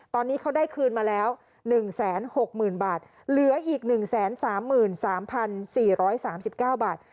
ตอนนี้เขาได้คืนมาแล้ว๑๖๐๐๐บาทเหลืออีก๑๓๓๔๓๙บาท